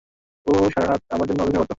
ও সারা রাত আমার জন্য অপেক্ষা করত।